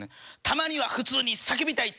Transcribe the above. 「たまには普通に叫びたい！」